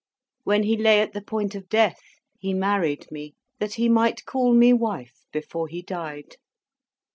When he lay at the point of death, he married me, that he might call me Wife before he died.